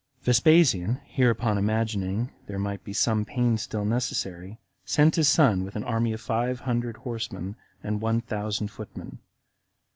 Vespasian hereupon imagining there might be some pains still necessary, sent his son with an army of five hundred horsemen, and one thousand footmen.